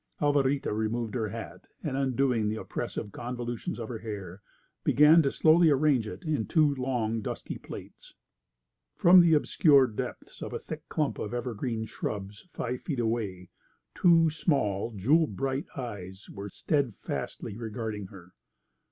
Alvarita removed her hat, and undoing the oppressive convolutions of her hair, began to slowly arrange it in two long, dusky plaits. From the obscure depths of a thick clump of evergreen shrubs five feet away, two small jewel bright eyes were steadfastly regarding her.